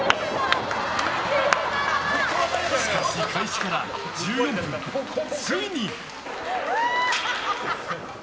しかし、開始から１４分ついに。